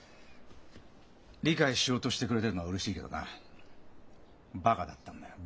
理解しようとしてくれてるのはうれしいけどなバカだったんだよ。